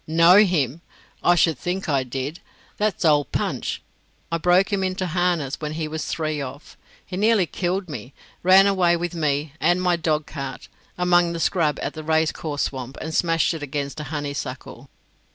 "Know him? I should think I did. That's old Punch. I broke him into harness when he was three off. He nearly killed me; ran away with me and my dog cart among the scrub at the racecourse swamp, and smashed it against a honeysuckle."